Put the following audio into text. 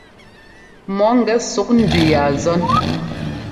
Mɔ ŋgɛ ɛsuk ndʉ ya zɔ́n.